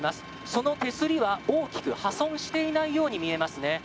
その手すりは大きく破損していないように見えますね。